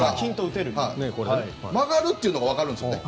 曲がるっていうのは分かるんですね。